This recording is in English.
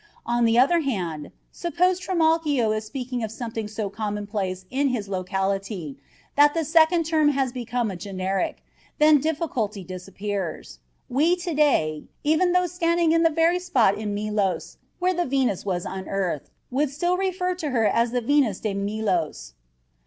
On the other hand, suppose Trimalchio is speaking of something so commonplace in his locality that the second term has become a generic, then the difficulty disappears. We today, even though standing upon the very spot in Melos where the Venus was unearthed, would still refer to her as the Venus de Melos.